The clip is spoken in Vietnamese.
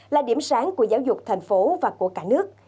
là điểm sáng của giáo dục thành phố và của cả nước